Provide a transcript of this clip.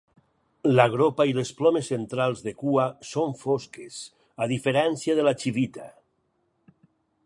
La gropa i les plomes centrals de cua són fosques, a diferència de la xivita.